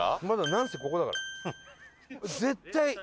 まだなんせここだから。